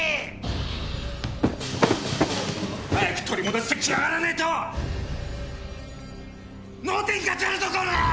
早く取り戻して来やがらねえと脳天かち割るぞこらっ！！